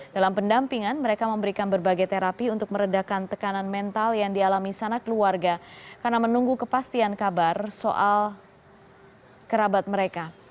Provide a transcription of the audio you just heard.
dalam pendampingan mereka memberikan berbagai terapi untuk meredakan tekanan mental yang dialami sana keluarga karena menunggu kepastian kabar soal kerabat mereka